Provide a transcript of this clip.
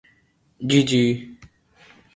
جی جی۔